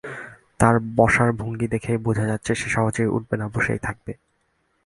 তার বসার ভঙ্গি থেকেই বোঝা যাচ্ছে সে সহজে উঠবে না, বসেই থাকবে।